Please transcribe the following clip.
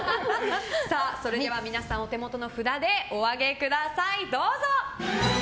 それでは皆さんお手元の札でお上げください。